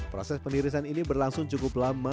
proses penirisan ini berlangsung cukup lama